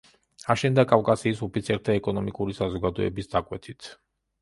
აშენდა კავკასიის ოფიცერთა ეკონომიკური საზოგადოების დაკვეთით.